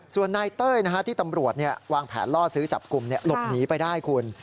ส่วนนายเต้ยที่ตำรวจวางแผนล่อซื้อจับกลุ่มหลบหนีไปได้คุณ